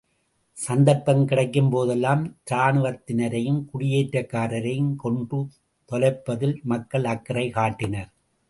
சந்தர்ப்பம் கிடைக்கும் போதெல்லாம் இராணுவத்தினரையும், குடியேற்றக்காரரையும் கொன்று தொலைப்பதில் மக்கள் அக்கறை காட்டினர்.